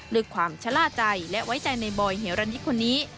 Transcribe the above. ด้วยความชะล่าใจและไว้ใจในบอยเฮรันยิกคนนี้